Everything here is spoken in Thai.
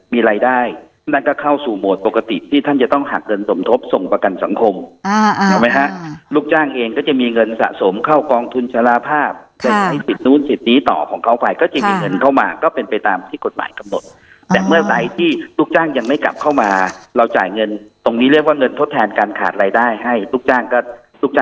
มีรายได้นั่นก็เข้าสู่โหมดปกติที่ท่านจะต้องหักเงินสมทบส่งประกันสังคมไหมฮะลูกจ้างเองก็จะมีเงินสะสมเข้ากองทุนสารภาพจะใช้สิทธินู้นสิทธิ์นี้ต่อของเขาไปก็จะมีเงินเข้ามาก็เป็นไปตามที่กฎหมายกำหนดแต่เมื่อไหร่ที่ลูกจ้างยังไม่กลับเข้ามาเราจ่ายเงินตรงนี้เรียกว่าเงินทดแทนการขาดรายได้ให้ลูกจ้างก็ลูกจ้าง